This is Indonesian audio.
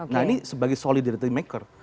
nah ini sebagai solidarity maker